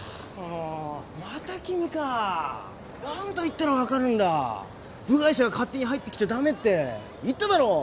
もうまた君か何度言ったら分かるんだ部外者が勝手に入ってきちゃダメって言っただろう！